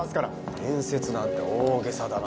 伝説なんて大げさだな。